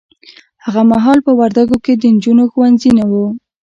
هغه محال په وردګو کې د نجونو ښونځي نه وه